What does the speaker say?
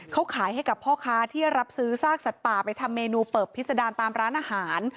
เขาขายให้กับพ่อค้าที่รับซื้อซากสัตว์ป่าไปทำเมนูเปิบพิษดารตามร้านอาหาร